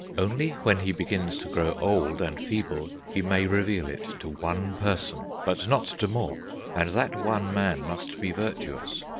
Only when he begins to grow old and feeble, he may reveal it to one person, but not to more, and that one man must be virtuous....